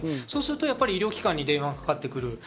そうすると医療機関に電話がかかってくる。